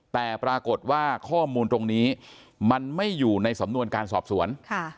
แต่ปรากฏว่าข้อมูลตรงนี้มันไม่อยู่ในสำนวนการสอบสวน